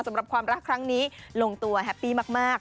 สำหรับความรักครั้งนี้ลงตัวแฮปปี้มาก